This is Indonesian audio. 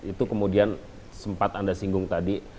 itu kemudian sempat anda singgung tadi